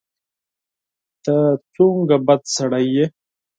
ته څومره بد سړی یې !